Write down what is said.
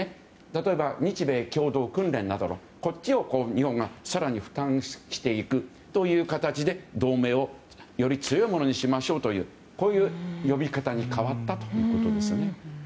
例えば日米共同訓練などこちらを日本が更に負担していくという形で同盟をより強いものにしましょうというこういう呼び方に変わったということですね。